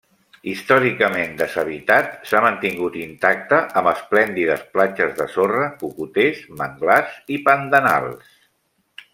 Històricament deshabitat, s'ha mantingut intacte amb esplèndides platges de sorra, cocoters, manglars i pandanals.